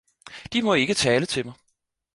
De må ikke tale til mig!